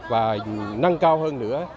và nâng cao hơn nữa